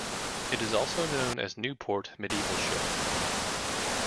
It is also known as Newport Medieval Ship.